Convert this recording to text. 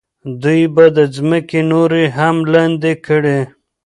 دوی به ځمکې نورې هم لاندې کړي.